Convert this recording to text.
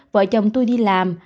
vợ chồng tôi đi làm